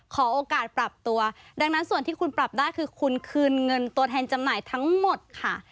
ขอโอกาสปรับตัวดังนั้นส่วนที่คุณปรับได้คือคุณคืนเงินตัวแทนจำหน่ายทั้งหมดค่ะ